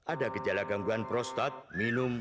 ada gejala gangguan prostat minum